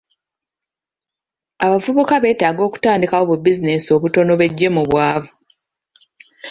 Abavubuka beetaaga okutandikawo bu bizinesi obutono beggye mu bwavu.